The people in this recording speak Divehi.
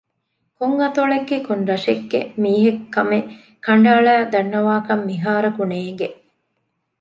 ކޮން އަތޮޅެއްގެ ކޮން ރަށެއްގެ މީހެއް ކަމެއް ކަނޑައަޅައި ދަންނަވާކަށް މިހާރަކު ނޭނގެ